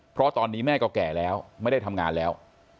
เพราะตอนนี้แม่ก็แก่แล้วไม่ได้ทำงานแล้ว